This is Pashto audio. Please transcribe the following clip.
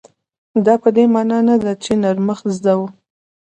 دا په دې مانا نه ده چې نرمښت زده و.